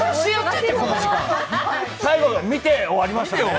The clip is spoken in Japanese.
最後、見て終わりでしたね。